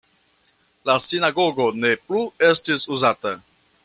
La sinagogo ne plu estis uzata.